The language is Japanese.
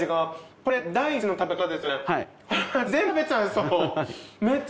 これ第１の食べ方ですよね。